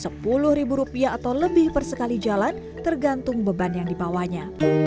sampai sampai harga sekitar rp lima sepuluh atau lebih per sekali jalan tergantung beban yang dibawanya